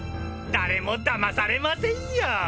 誰もだまされませんよ！